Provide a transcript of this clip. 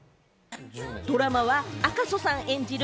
ドラマは赤楚さん演じる